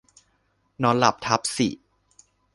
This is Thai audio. นอนหลับทับสิ